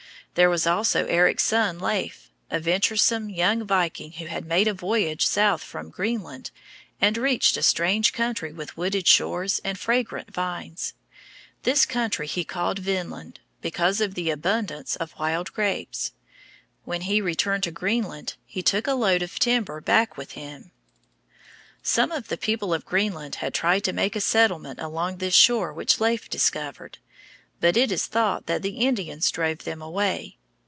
There was also Eric's son Leif, a venturesome young viking who had made a voyage south from Greenland, and reached a strange country with wooded shores and fragrant vines. This country he called Vinland because of the abundance of wild grapes. When he returned to Greenland, he took a load of timber back with him. [Illustration: Eric the Red in Vinland.] Some of the people of Greenland had tried to make a settlement along this shore which Leif discovered, but it is thought that the Indians drove them away.